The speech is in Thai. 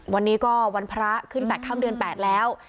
วันนี้ก็วันพระขึ้น๘ค่ำเดือน๘แล้ว